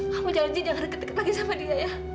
kamu janji jangan deket deket lagi sama dia ya